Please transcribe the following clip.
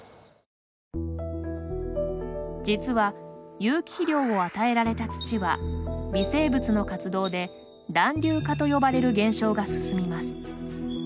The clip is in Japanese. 実は、有機肥料を与えられた土は微生物の活動で団粒化と呼ばれる現象が進みます。